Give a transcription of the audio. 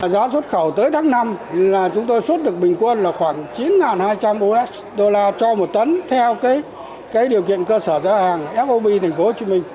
giá xuất khẩu tới tháng năm là chúng tôi xuất được bình quân là khoảng chín hai trăm linh usd cho một tấn theo điều kiện cơ sở giá hàng fob tp hcm